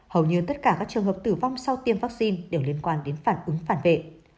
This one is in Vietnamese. hầu như tất cả các trường hợp tử vong sau tiêm vaccine đều liên quan đến phản ứng phản vệ